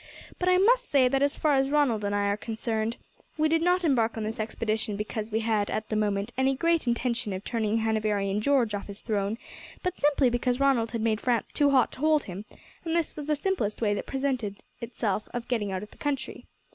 But I must say, that as far as Ronald and I are concerned, we did not embark on this expedition because we had at the moment any great intention of turning Hanoverian George off his throne; but simply because Ronald had made France too hot to hold him, and this was the simplest way that presented itself of getting out of the country.